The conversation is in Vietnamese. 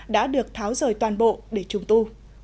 đã được tháo rời toàn bộ để trung tu